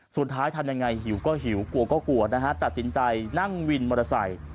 ทำยังไงหิวก็หิวกลัวก็กลัวนะฮะตัดสินใจนั่งวินมอเตอร์ไซค์